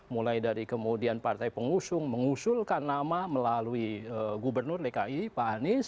mulai dari kemudian partai pengusung mengusulkan nama melalui gubernur dki pak anies